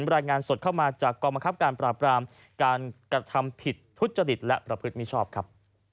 รายงานสดเข้ามาจากกองบังคับการปราบรามการกระทำผิดทุจริตและประพฤติมิชอบครับ